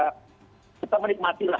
menu berguta yang kita rindukan ya itulah